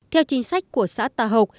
theo chính sách của xã tà hộc